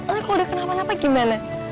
nggak ke udah kenapa napa gimana